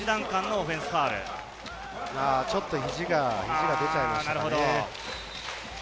ちょっと肘が出ちゃいましたね。